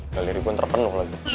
galeri gue terpenuh lagi